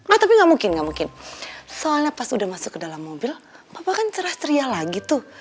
ah tapi gak mungkin gak mungkin soalnya pas udah masuk ke dalam mobil papa kan cerah ceria lagi tuh